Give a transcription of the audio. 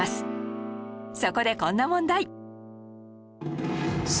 そこでこんな問題